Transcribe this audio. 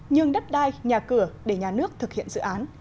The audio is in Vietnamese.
nhưng đất đai nhà cửa để nhà nước thực hiện dự án